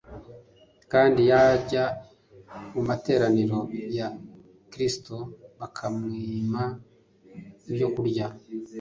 kandi yajya mu materaniro ya gikristo bakamwima ibyokurya